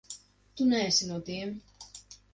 Tu neesi no tiem.